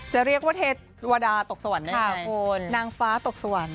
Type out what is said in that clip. จะเรียกว่าเทวดาตกสวรรค์นะคะคุณนางฟ้าตกสวรรค์